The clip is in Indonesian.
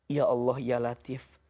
ya allah ya latif